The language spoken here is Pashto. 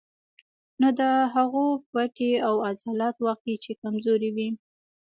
نو د هغو پټې او عضلات واقعي چې کمزوري وي